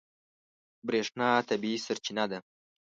برېښنا طبیعي سرچینه ده.